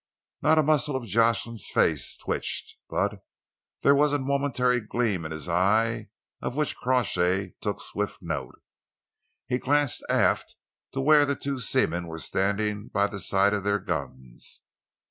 Not a muscle of Jocelyn's face twitched, but there was a momentary gleam in his eyes of which Crawshay took swift note. He glanced aft to where the two seamen were standing by the side of their guns.